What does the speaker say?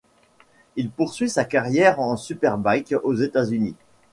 Il poursuit sa carrière en Superbike aux États-Unis.